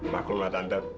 maklum lah tante